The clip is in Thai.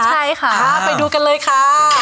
ค่ะไปดูกันเลยค่ะ